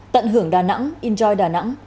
tận hưởng đà nẵng enjoy đà nẵng